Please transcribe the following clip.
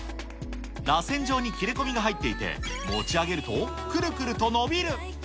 らせん状に切れ込みが入っていて、持ち上げるとくるくるとのびる。